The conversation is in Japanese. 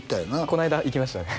この間行きましたね